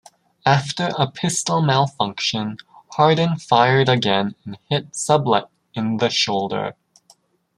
After a pistol malfunction, Hardin fired again and hit Sublet in the shoulder.